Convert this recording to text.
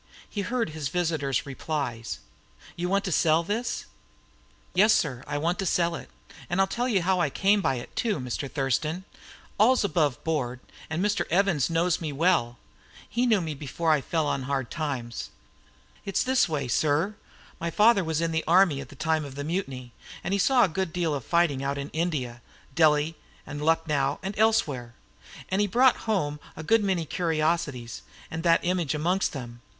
He heard his visitor's replies. "You want to sell this?" "Yes, sir, I want to sell it. I'll tell you how I came by it, too, Mr. Thurston. All's above board; and Mr. Evanson, he knows me well, and knew me before I fell on hard times. It was this way, sir: My father was in the army at the time of the Mutiny, and he saw a good deal of fighting out in India Delhi and Lucknow and elsewhere and he brought home a good many curiosities, and that image amongst them.